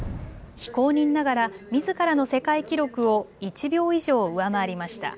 非公認ながら、みずからの世界記録を１秒以上上回りました。